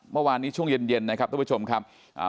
เมื่อวานนี้ช่วงเย็นเย็นนะครับทุกผู้ชมครับ